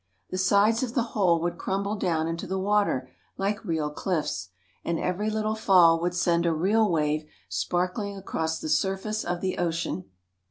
The sides of the hole would crumble down into the water like real cliffs, and every little fall would send a real wave sparkling across the surface of the ocean.